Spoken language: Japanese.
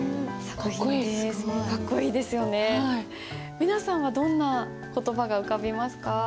皆さんはどんな言葉が浮かびますか？